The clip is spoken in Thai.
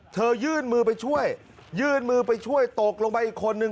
ยื่นมือไปช่วยยื่นมือไปช่วยตกลงไปอีกคนนึง